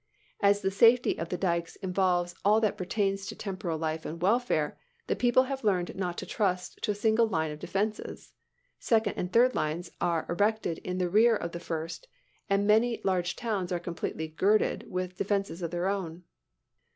As the safety of the dykes involves all that pertains to temporal life and welfare, the people have learned not to trust to a single line of defenses. Second and third lines are erected in the rear of the first; and many large towns are completely girdled with defenses of their own.